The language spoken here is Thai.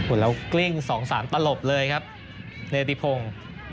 โอ้แล้วกลิ้งสองสามตะหลบเลยครับเนติพง